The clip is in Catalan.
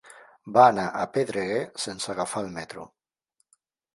Va anar a Pedreguer sense agafar el metro.